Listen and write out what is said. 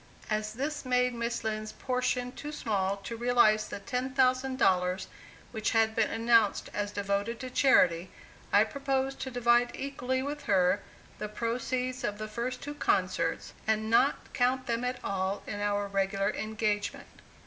As this made Miss Lind's portion too small to realize the $10,000 which had been announced as devoted to charity, I proposed to divide equally with her the proceeds of the first two concerts, and not count them at all in our regular engagement.